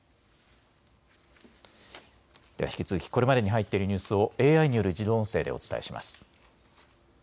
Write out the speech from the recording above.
では引き続きこれまでに入っているニュースをＡＩによる自動音声でお伝えします。